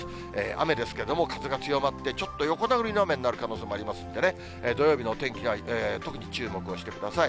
雨ですけれども、風が強まって、ちょっと横殴りの雨になる可能性もありますんでね、土曜日のお天気には特に注目をしてください。